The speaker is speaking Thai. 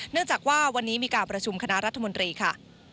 เนื่องจากว่าวันนี้มีการประชุมคณะรัฐมนตรีค่ะ